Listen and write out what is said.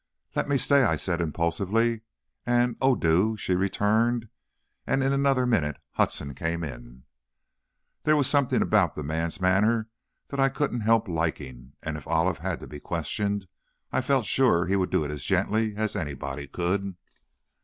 "Let me stay!" I said, impulsively, and, "Oh, do!" she returned, and in another minute Hudson came in. There was something about the man's manner that I couldn't help liking and if Olive had to be questioned I felt sure he would do it as gently as anybody could.